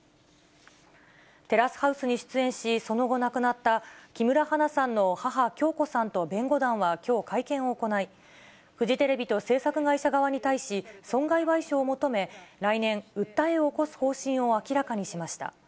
テラスハウスに出演し、その後亡くなった、木村花さんの母、響子さんと弁護団はきょう会見を行い、フジテレビと制作会社側に対し、損害賠償を求め、来年、訴えを起こす方針を明らかにしました。